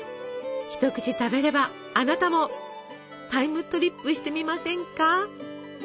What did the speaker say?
一口食べればあなたもタイムトリップしてみませんか？